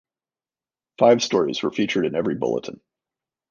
Five stories were featured in every bulletin.